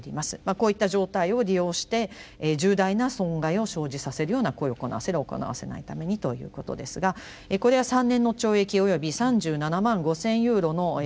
こういった状態を利用して重大な損害を生じさせるような行為を行わせる行わせないためにということですがこれは３年の懲役および３７万５，０００ユーロの罰金とすると。